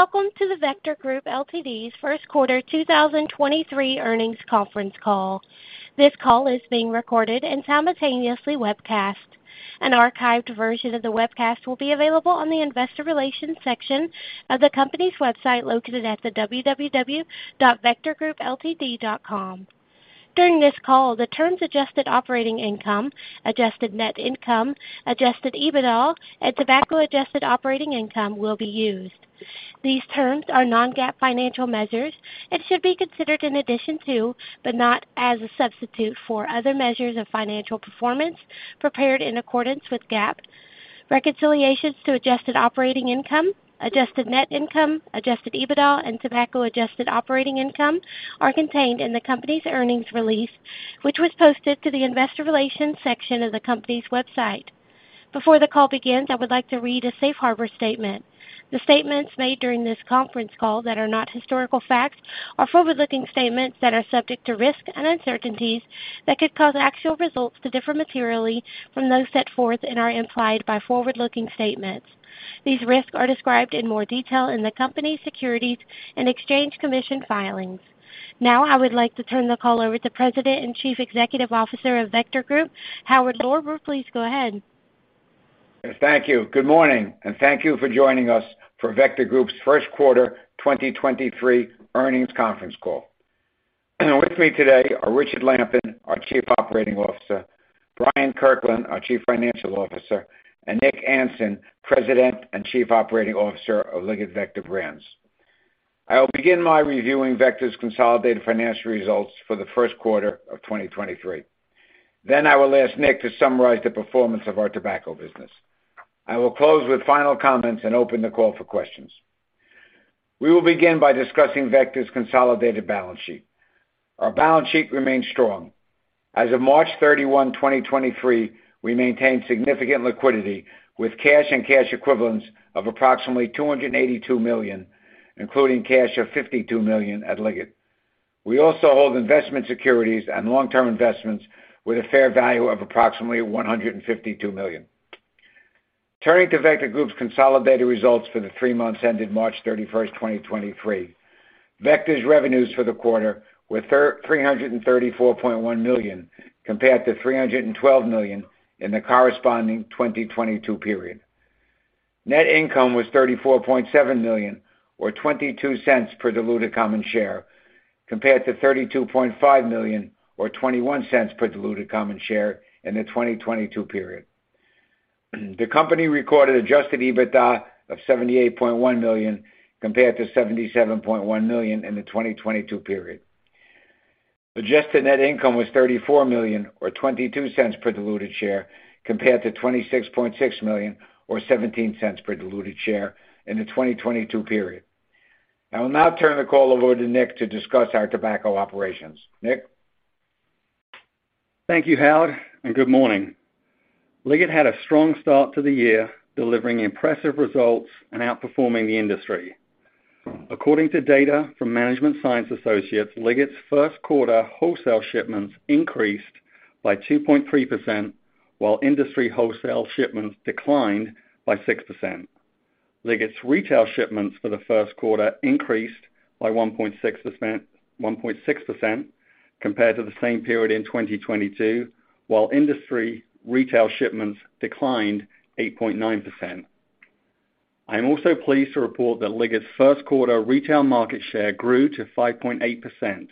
Welcome to The Vector Group Ltd.'s First Quarter 2023 Earnings Conference Call. This call is being recorded and simultaneously webcast. An archived version of the webcast will be available on the investor relations section of the company's website, located at the www.vectorgroupltd.com. During this call, the terms adjusted operating income, Adjusted Net Income, Adjusted EBITDA, and Tobacco Adjusted Operating Income will be used. These terms are non-GAAP financial measures and should be considered in addition to, but not as a substitute for other measures of financial performance prepared in accordance with GAAP. Reconciliations to adjusted operating income, Adjusted Net Income, Adjusted EBITDA, and Tobacco Adjusted Operating Income are contained in the company's earnings release, which was posted to the investor relations section of the company's website. Before the call begins, I would like to read a safe harbor statement. The statements made during this conference call that are not historical facts are forward-looking statements that are subject to risks and uncertainties that could cause actual results to differ materially from those set forth and are implied by forward-looking statements. These risks are described in more detail in the company's Securities and Exchange Commission filings. I would like to turn the call over to President and Chief Executive Officer of Vector Group, Howard Lorber. Please go ahead. Thank you. Good morning. Thank you for joining us for Vector Group's First Quarter 2023 Earnings Conference Call. With me today are Richard Lampen, our Chief Operating Officer, Bryant Kirkland, our Chief Financial Officer, and Nick Anson, President and Chief Operating Officer of Liggett Vector Brands. I'll begin by reviewing Vector's consolidated financial results for the first quarter of 2023. I will ask Nick to summarize the performance of our tobacco business. I will close with final comments and open the call for questions. We will begin by discussing Vector's consolidated balance sheet. Our balance sheet remains strong. As of March 31, 2023, we maintained significant liquidity with cash and cash equivalents of approximately $282 million, including cash of $52 million at Liggett. We also hold investment securities and long-term investments with a fair value of approximately $152 million. Turning to Vector Group's consolidated results for the three months ending March 31st, 2023. Vector's revenues for the quarter were $334.1 million, compared to $312 million in the corresponding 2022 period. Net income was $34.7 million or $0.22 per diluted common share, compared to $32.5 million or $0.21 per diluted common share in the 2022 period. The company recorded Adjusted EBITDA of $78.1 million, compared to $77.1 million in the 2022 period. Adjusted Net Income was $34 million or $0.22 per diluted share, compared to $26.6 million or $0.17 per diluted share in the 2022 period. I will now turn the call over to Nick to discuss our tobacco operations. Nick. Thank you, Howard. Good morning. Liggett had a strong start to the year, delivering impressive results and outperforming the industry. According to data from Management Science Associates, Liggett's first quarter wholesale shipments increased by 2.3%, while industry wholesale shipments declined by 6%. Liggett's retail shipments for the first quarter increased by 1.6% compared to the same period in 2022, while industry retail shipments declined 8.9%. I am also pleased to report that Liggett's first quarter retail market share grew to 5.8%,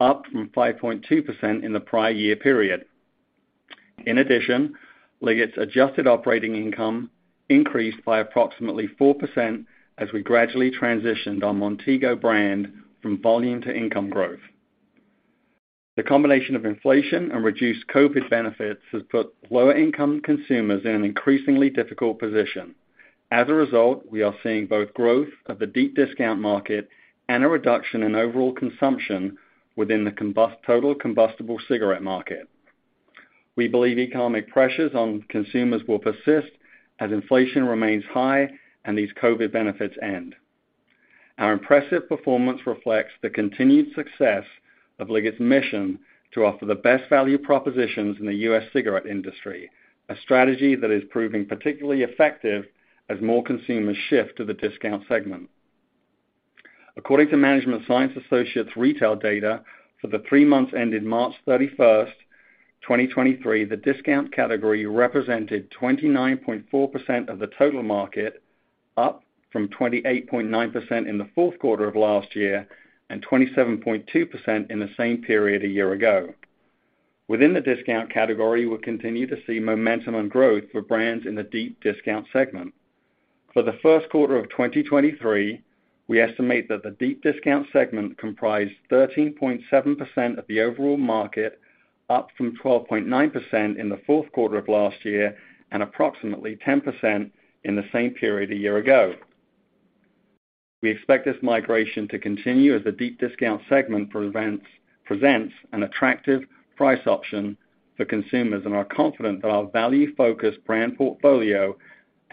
up from 5.2% in the prior year period. In addition, Liggett's adjusted operating income increased by approximately 4% as we gradually transitioned our Montego brand from volume to income growth. The combination of inflation and reduced COVID benefits has put lower-income consumers in an increasingly difficult position. As a result, we are seeing both growth of the Deep Discount market and a reduction in overall consumption within the total combustible cigarette market. We believe economic pressures on consumers will persist as inflation remains high and these COVID benefits end. Our impressive performance reflects the continued success of Liggett's mission to offer the best value propositions in the U.S. cigarette industry, a strategy that is proving particularly effective as more consumers shift to the discount segment. According to Management Science Associates retail data, for the three months ending March 31, 2023, the discount category represented 29.4% of the total market, up from 28.9% in the fourth quarter of last year and 27.2% in the same period a year ago. Within the discount category, we continue to see momentum and growth for brands in the deep discount segment. For the first quarter of 2023, we estimate that the deep discount segment comprised 13.7% of the overall market, up from 12.9% in the fourth quarter of last year and approximately 10% in the same period a year ago. We expect this migration to continue as the deep discount segment presents an attractive price option for consumers and are confident that our value-focused brand portfolio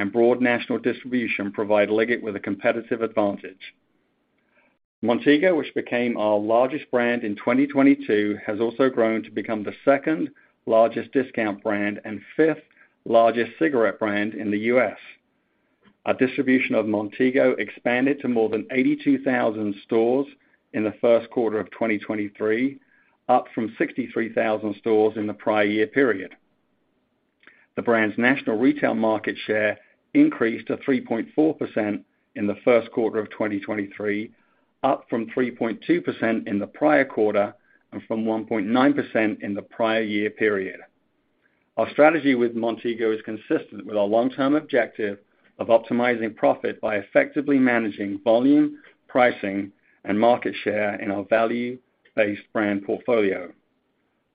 and broad national distribution provide Liggett with a competitive advantage. Montego, which became our largest brand in 2022, has also grown to become the second-largest discount brand and fifth-largest cigarette brand in the U.S. Our distribution of Montego expanded to more than 82,000 stores in the first quarter of 2023, up from 63,000 stores in the prior year period. The brand's national retail market share increased to 3.4% in the first quarter of 2023, up from 3.2% in the prior quarter and from 1.9% in the prior year period. Our strategy with Montego is consistent with our long-term objective of optimizing profit by effectively managing volume, pricing, and market share in our value-based brand portfolio.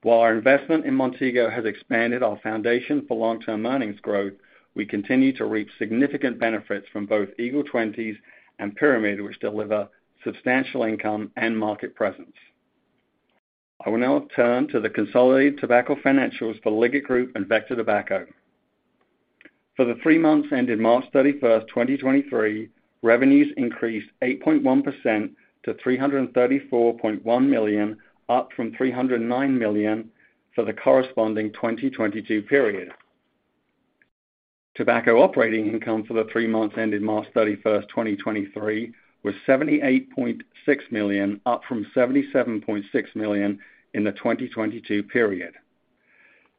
While our investment in Montego has expanded our foundation for long-term earnings growth, we continue to reap significant benefits from both Eagle 20's and Pyramid, which deliver substantial income and market presence. I will now turn to the consolidated tobacco financials for Liggett Group and Vector Tobacco. For the 3 months ending March 31st, 2023, revenues increased 8.1% to $334.1 million, up from $309 million for the corresponding 2022 period. Tobacco operating income for the three months ending March 31st, 2023, was $78.6 million, up from $77.6 million in the 2022 period.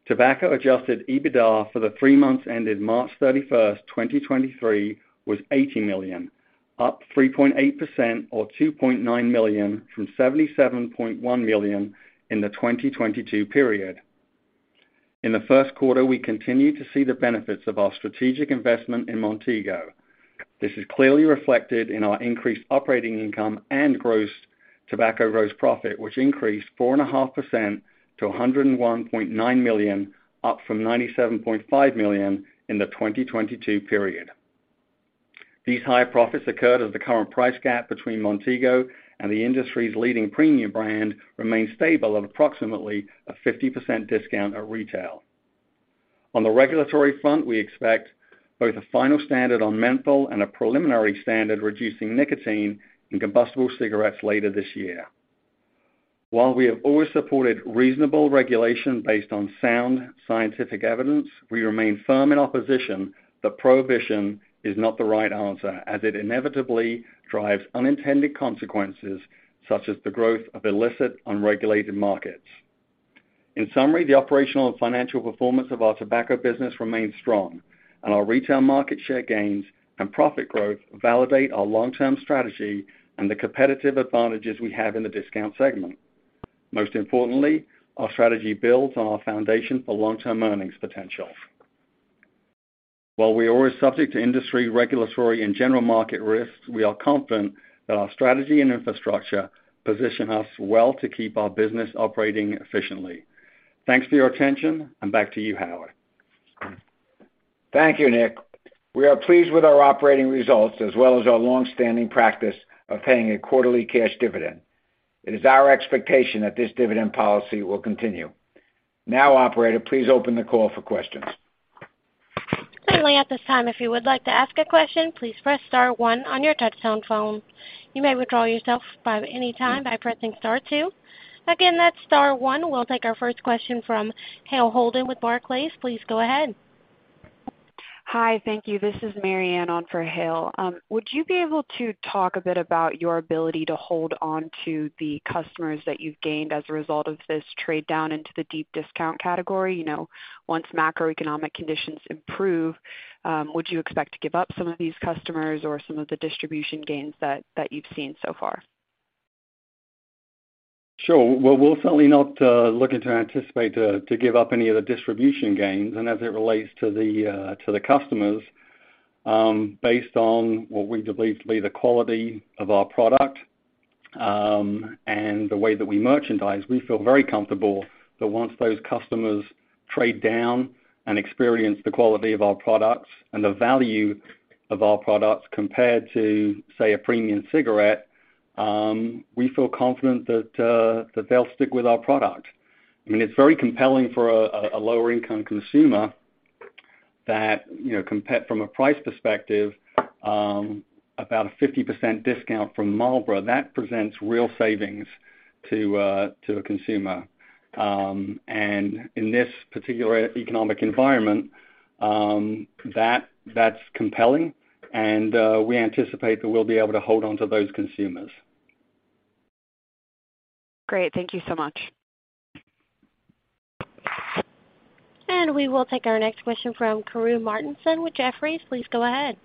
Tobacco Adjusted EBITDA for the three months ending March 31st, 2023, was $80 million, up 3.8% or $2.9 million from $77.1 million in the 2022 period. In the first quarter, we continued to see the benefits of our strategic investment in Montego. This is clearly reflected in our increased operating income and tobacco gross profit, which increased 4.5% to $101.9 million, up from $97.5 million in the 2022 period. These high profits occurred as the current price gap between Montego and the industry's leading premium brand remained stable at approximately a 50% discount at retail. On the regulatory front, we expect both a final standard on menthol and a preliminary standard reducing nicotine in combustible cigarettes later this year. While we have always supported reasonable regulation based on sound scientific evidence, we remain firm in opposition that prohibition is not the right answer, as it inevitably drives unintended consequences, such as the growth of illicit, unregulated markets. In summary, the operational and financial performance of our tobacco business remains strong, and our retail market share gains and profit growth validate our long-term strategy and the competitive advantages we have in the discount segment. Most importantly, our strategy builds on our foundation for long-term earnings potential. While we are always subject to industry regulatory and general market risks, we are confident that our strategy and infrastructure position us well to keep our business operating efficiently. Thanks for your attention, and back to you, Howard. Thank you, Nick. We are pleased with our operating results as well as our long-standing practice of paying a quarterly cash dividend. It is our expectation that this dividend policy will continue. Operator, please open the call for questions. Certainly. At this time, if you would like to ask a question, please press *1 on your touchtone phone. You may withdraw yourself anytime by pressing star 2. Again, that's star 1. We'll take our first question from Hale Holden with Barclays. Please go ahead. Hi. Thank you. This is Marianne on for Hale. Would you be able to talk a bit about your ability to hold on to the customers that you've gained as a result of this trade down into the Deep Discount category? You know, once macroeconomic conditions improve, would you expect to give up some of these customers or some of the distribution gains that you've seen so far? Sure. Well, we're certainly not looking to anticipate to give up any of the distribution gains. As it relates to the customers, based on what we believe to be the quality of our product, and the way that we merchandise, we feel very comfortable that once those customers trade down and experience the quality of our products and the value of our products compared to, say, a premium cigarette, we feel confident that they'll stick with our product. I mean, it's very compelling for a lower-income consumer that, you know, from a price perspective, about a 50% discount from Marlboro, that presents real savings to a consumer. In this particular economic environment, that's compelling, and we anticipate that we'll be able to hold on to those consumers. Great. Thank you so much. We will take our next question from Karru Martinson with Jefferies. Please go ahead.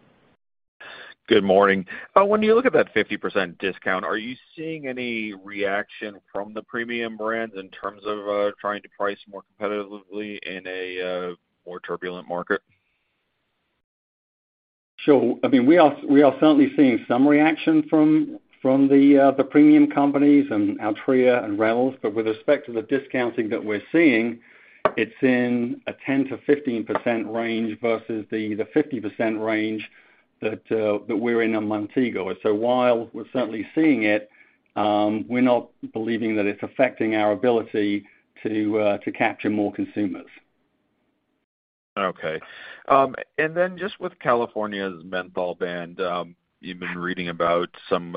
Good morning. When you look at that 50% discount, are you seeing any reaction from the premium brands in terms of trying to price more competitively in a more turbulent market? Sure. I mean, we are certainly seeing some reaction from the premium companies and Altria and Reynolds. With respect to the discounting that we're seeing, it's in a 10%-15% range versus the 50% range that we're in on Montego. While we're certainly seeing it, we're not believing that it's affecting our ability to capture more consumers. Okay. Just with California's menthol ban, you've been reading about some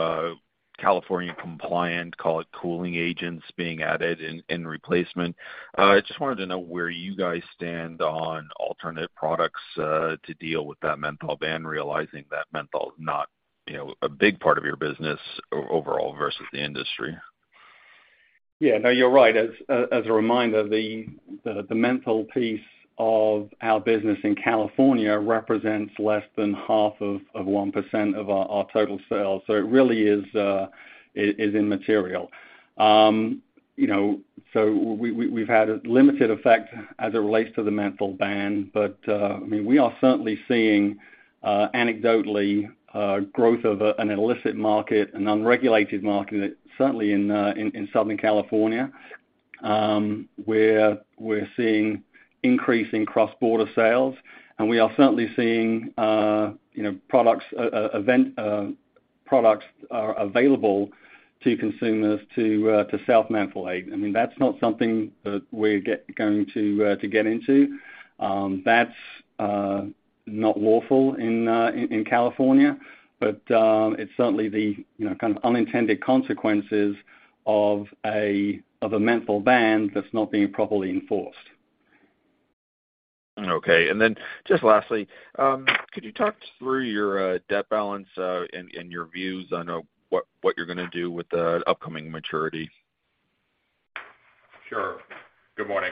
California compliant, call it cooling agents, being added in replacement. I just wanted to know where you guys stand on alternate products to deal with that menthol ban, realizing that menthol is not, you know, a big part of your business overall versus the industry. Yeah. No, you're right. As a reminder, the menthol piece of our business in California represents less than half of 1% of our total sales. It really is immaterial. You know, we've had a limited effect as it relates to the menthol ban. I mean, we are certainly seeing anecdotally growth of an illicit market, an unregulated market, certainly in Southern California. Where we're seeing increase in cross-border sales, and we are certainly seeing, you know, products are available to consumers to self-mentholate. I mean, that's not something that we're going to get into. That's not lawful in California. It's certainly the, you know, kind of unintended consequences of a, of a menthol ban that's not being properly enforced. Okay. Just lastly, could you talk through your debt balance, and your views on what you're gonna do with the upcoming maturity? Sure. Good morning,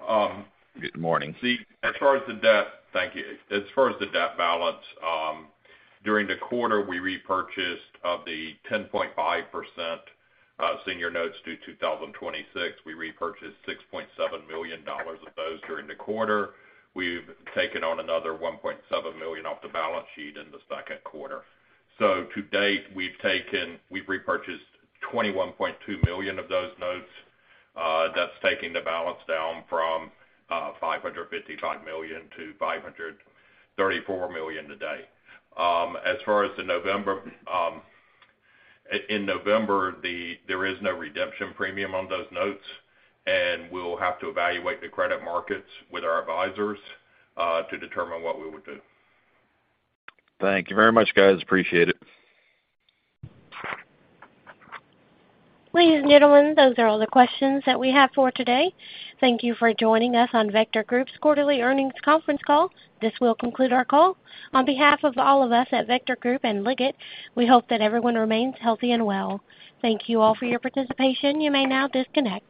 Arup. Good morning. Thank you. As far as the debt balance, during the quarter, we repurchased of the 10.5% senior notes due 2026. We repurchased $6.7 million of those during the quarter. We've taken on another $1.7 million off the balance sheet in the second quarter. To date, we've repurchased $21.2 million of those notes. That's taking the balance down from $555 million-$534 million today. In November, there is no redemption premium on those notes, we'll have to evaluate the credit markets with our advisors to determine what we would do. Thank you very much, guys. Appreciate it. Ladies and gentlemen, those are all the questions that we have for today. Thank you for joining us on Vector Group's quarterly earnings conference call. This will conclude our call. On behalf of all of us at Vector Group and Liggett, we hope that everyone remains healthy and well. Thank you all for your participation. You may now disconnect.